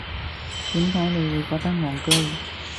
點解你會覺得戇居